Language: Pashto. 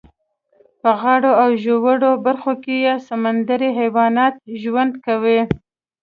په غاړو او ژورو برخو کې یې سمندري حیوانات ژوند کوي.